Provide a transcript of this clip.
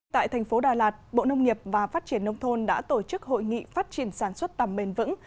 tại thành phố đà lạt bộ nông nghiệp và phát triển nông thôn đã tổ chức hội nghị phát triển sản xuất tầm bền vững